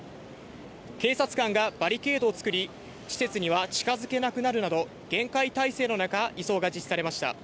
警察官がバリケードをつくり、施設には近づけなくなるなど、厳戒態勢の移送が実施されました。